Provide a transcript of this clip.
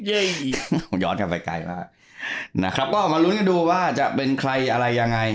ย้อนกลับไปไกลมากนะครับก็มาลุ้นกันดูว่าจะเป็นใครอะไรยังไง